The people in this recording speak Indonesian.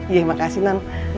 iya makasih non